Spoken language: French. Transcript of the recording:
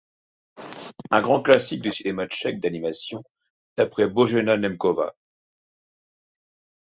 Un grand classique du cinéma tchèque d'animation, d'après Božena Němcová.